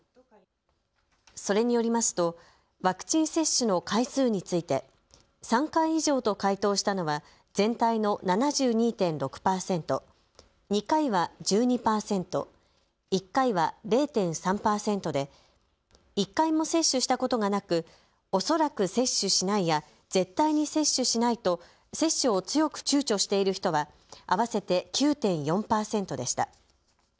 それによりますとワクチン接種の回数について３回以上と回答したのは全体の７２．６％、２回は１２％、１回は０．３％で１回も接種したことがなくおそらく接種しないや絶対に接種しないと接種を強くちゅうちょしている人は合わせて９．４％でした。